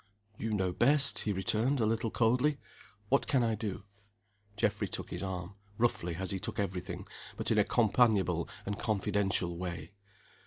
"You know best," he returned, a little coldly. "What can I do?" Geoffrey took his arm roughly as he took every thing; but in a companionable and confidential way.